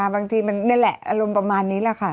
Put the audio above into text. บางทีมันนี่แหละอารมณ์ประมาณนี้แหละค่ะ